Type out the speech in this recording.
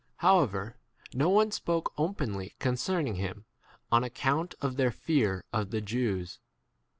However no one spoke openly concerning him on account of [their] fear of the Jews.